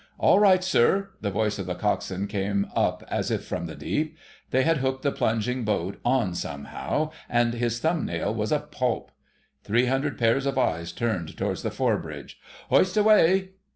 "All right, sir!" The voice of the Coxswain came up as if from the deep. They had hooked the plunging boat on somehow, and his thumb nail was a pulp.... Three hundred pairs of eyes turned towards the fore bridge. "_Hoist away!